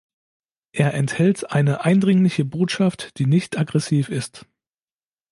Er enthält eine eindringliche Botschaft, die nicht aggressiv ist.